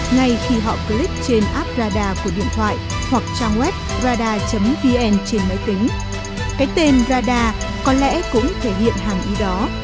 ngay khi họ click trên app radar của điện thoại hoặc trang web radar vn trên máy tính cái tên radar có lẽ cũng thể hiện hàng y đó